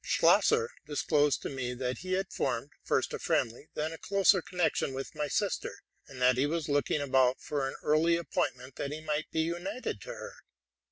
Schlosser disclosed to me that he had formed, first a friendly, then a closer, connection with my sister, and that he was looking about for an early appointment, that he might be united to her.